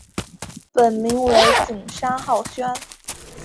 本名为景山浩宣。